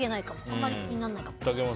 あまり気にならないかも。